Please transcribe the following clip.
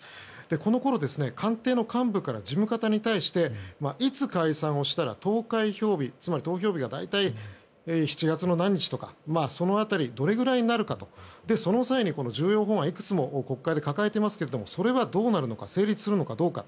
このころ、官邸の幹部から事務方に対していつ解散したら投開票日つまり投票日が大体７月の何日とか、その辺りその際に重要法案をいくつも国会で抱えていますけどそれは成立するかどうか。